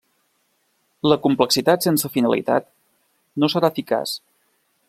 La complexitat sense finalitat no serà eficaç.